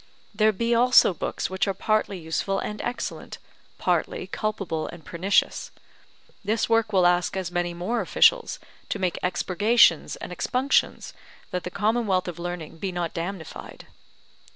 There be also books which are partly useful and excellent, partly culpable and pernicious; this work will ask as many more officials, to make expurgations and expunctions, that the commonwealth of learning be not damnified.